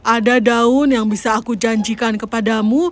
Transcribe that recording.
ada daun yang bisa aku janjikan kepadamu